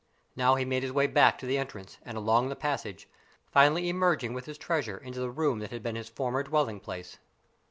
Now he made his way back to the entrance and along the passage, finally emerging with his treasure into the room that had been his former dwelling place.